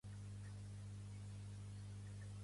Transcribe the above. Meius Ferrés Fluvià és una filòloga nascuda a Olot.